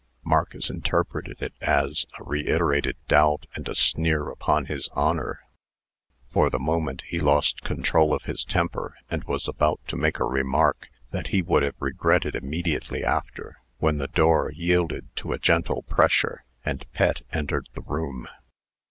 Marcus interpreted it as a reiterated doubt and a sneer upon his honor. For the moment he lost control of his temper, and was about to make a remark that he would have regretted immediately after, when the door yielded to a gentle pressure, and Pet entered the room.